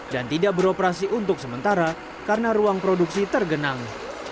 dan tidak beroperasi untuk sementara karena ruang produksi tergenang